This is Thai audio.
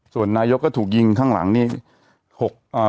ส่วนนายกก็ถูกยิงข้างหลังนี่